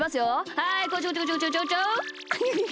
はいこちょこちょこちょこちょ。